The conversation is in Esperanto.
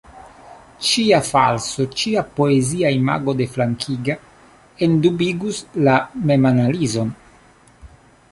Ĉia falso, ĉia poezia imago deflankiga, endubigus la memanalizon.